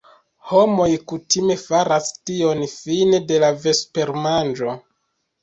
Homoj kutime faras tion fine de la vespermanĝo.